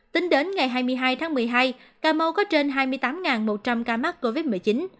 tính đến ngày hai mươi hai tháng một mươi hai cà mau có trên hai mươi tám một trăm linh ca mắc covid một mươi chín